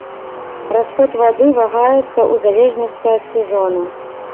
Расход вады вагаецца ў залежнасці ад сезона.